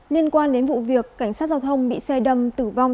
liên quan đến vụ việc cảnh sát giao thông bị xe đâm tử vong